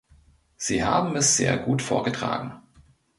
Sie haben es sehr gut vorgetragen.